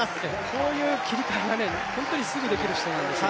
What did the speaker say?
こういう切り替えが本当にすぐできる人なんです。